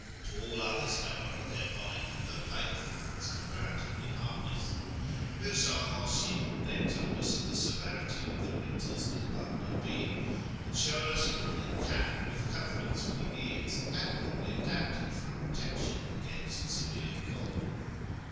To all others, however, their bite, though painful, is comparatively harmless. Mi'rza Hashim then told us of the severity of the winters at Ardabil, and showed us a woollen cap with coverings for the ears, admirably adapted for a protection against severe cold.